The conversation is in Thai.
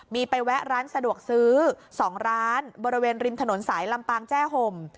มีไปแวะร้านสะดวกซื้อ๒ร้านบริเวณริมถนนสายลำปางแจ้ห่ม